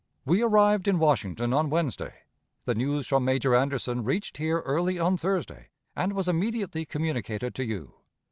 We arrived in Washington on Wednesday. The news from Major Anderson reached here early on Thursday, and was immediately communicated to you.